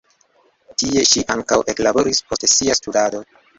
Tie ŝi ankaŭ eklaboris post sia studado.